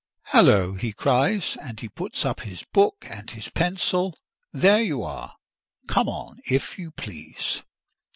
"Hillo!" he cries; and he puts up his book and his pencil. "There you are! Come on, if you please."